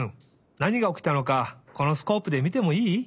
なにがおきたのかこのスコープでみてもいい？